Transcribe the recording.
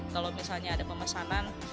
kalau misalnya ada pemesanan